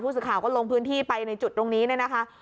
ผู้สืบข่าวก็ลงพื้นที่ไปในจุดตรงนี้นะฮะ